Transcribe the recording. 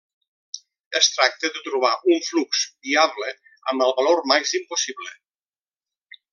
Es tracta de trobar un flux viable amb el valor màxim possible.